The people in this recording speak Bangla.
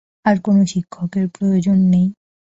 আর কোন শিক্ষকের প্রয়োজন নেই।